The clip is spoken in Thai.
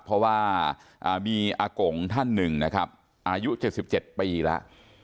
เพราะว่ามีอากงท่านหนึ่งนะครับอายุ๗๗ปีแล้ว